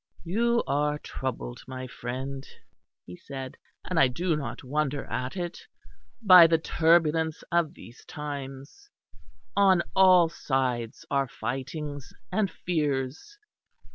"You are troubled, my friend," he said, "and I do not wonder at it, by the turbulence of these times. On all sides are fightings and fears.